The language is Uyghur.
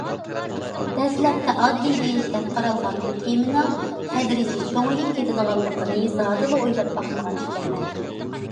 دەسلەپتە ئاددىي ئىش دەپ قارالغان بۇ تېمىنىڭ تەدرىجىي چوڭىيىپ كېتىدىغانلىقىنى زادىلا ئويلاپ باقمىغان ئىكەنمەن.